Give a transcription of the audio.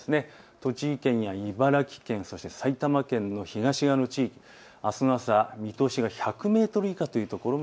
栃木県や茨城県、そして埼玉県の東側の地域、あすの朝、見通しが１００メートル以下というところも。